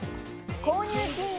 購入金額